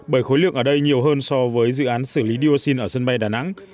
bởi khối lượng ở đây nhiều hơn so với dự án xử lý dioxin ở sân bay đà nẵng